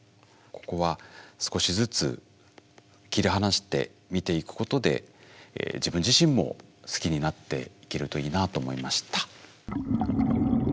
ここは少しずつ切り離して見ていくことで自分自身も好きになっていけるといいなと思いました。